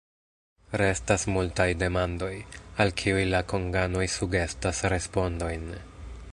Restas multaj demandoj, al kiuj la konganoj sugestas respondojn.